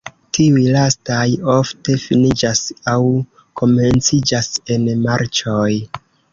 Tiuj lastaj ofte finiĝas aŭ komenciĝas en marĉoj.